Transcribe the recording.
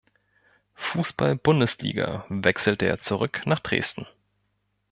Fußball-Bundesliga wechselte er zurück nach Dresden.